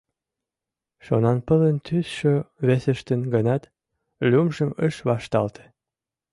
Шонанпылын тӱсшӧ весештын гынат, лӱмжым ыш вашталте.